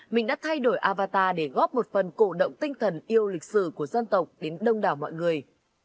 mình đã thay đổi avatar để góp một phần cổ động tinh thần yêu lịch sử của dân tộc đến đông đảo mọi người